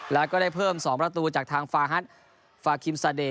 แล้วก็ได้เพิ่ม๒ประตูจากทางฟาฮัทฟาคิมซาเด